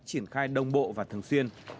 triển khai đông bộ và thường xuyên